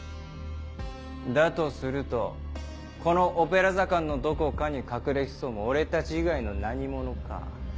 だとするとこのオペラ座館のどこかに隠れ潜む俺たち以外の何者か。